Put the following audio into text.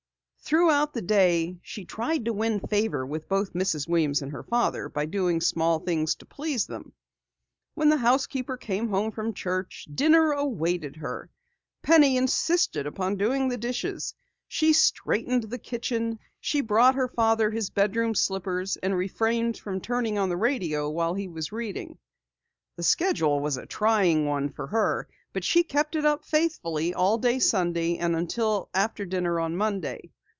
Throughout the day she tried to win favor with both Mrs. Weems and her father by doing small things to please them. When the housekeeper came home from church, dinner awaited her. Penny insisted upon doing the dishes. She straightened the kitchen, she brought her father his bedroom slippers, and refrained from turning on the radio while he was reading. The schedule was a trying one for her, but she kept it up faithfully all day Sunday and until after dinner on Monday.